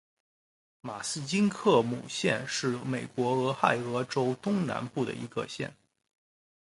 马斯金格姆县是美国俄亥俄州东南部的一个县。